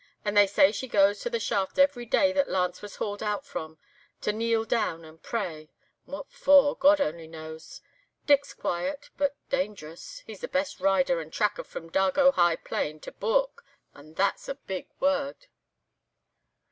And they say she goes to the shaft every day that Lance was hauled out from, to kneel down and pray. What for, God only knows. Dick's quiet, but dangerous; he's the best rider and tracker from Dargo High Plain to Bourke, and that's a big word.